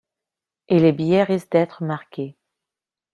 Et les billets risquent d'être marqués.